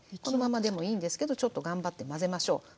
このままでもいいんですけどちょっと頑張って混ぜましょう。